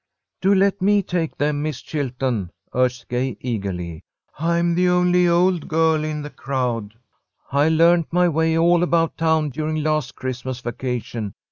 "Do let me take them, Miss Chilton," urged Gay, eagerly. "I'm the only old girl in the crowd. I learned my way all about town during last Christmas vacation.